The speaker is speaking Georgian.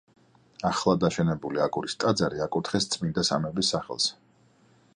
ახლად აშენებული აგურის ტაძარი აკურთხეს წმინდა სამების სახელზე.